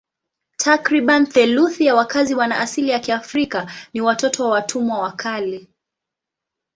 Takriban theluthi ya wakazi wana asili ya Kiafrika ni watoto wa watumwa wa kale.